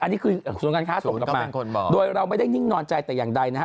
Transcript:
อันนี้คือศูนย์การค้าส่งกลับมาโดยเราไม่ได้นิ่งนอนใจแต่อย่างใดนะฮะ